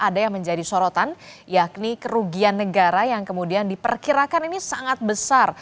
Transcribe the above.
tim liputan kompas tv